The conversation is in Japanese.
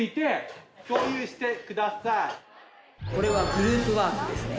これはグループワークですね。